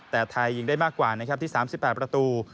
แต่ไทยยิงได้มากกว่านะครับที่๓๘ประตู